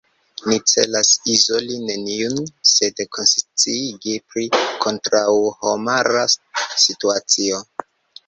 Ni celas izoli neniun, sed konsciigi pri kontraŭhomara situacio.